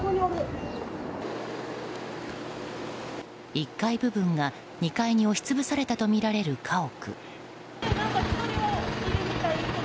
１階部分が、２階に押し潰されたとみられる家屋。